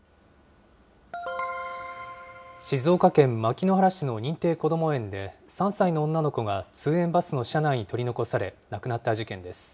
静岡県牧之原市の認定こども園で、３歳の女の子が通園バスの車内に取り残され、亡くなった事件です。